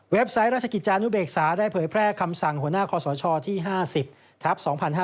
ไซต์ราชกิจจานุเบกษาได้เผยแพร่คำสั่งหัวหน้าคอสชที่๕๐ทัพ๒๕๕๙